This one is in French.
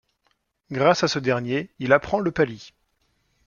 Grâce à ce dernier, il apprend le pali.